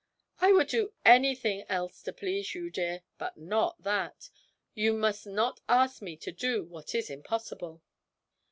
'I would do anything else to please you, dear, but not that; you must not ask me to do what is impossible.'